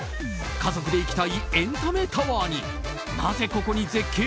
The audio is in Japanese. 家族で行きたいエンタメタワーになぜここに絶景？